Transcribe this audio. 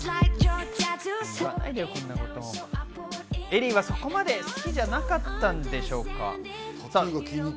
エリーはそこまで好きじゃなかったんでしょうか。